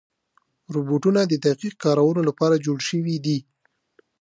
روبوټونه د دقیق کارونو لپاره جوړ شوي دي.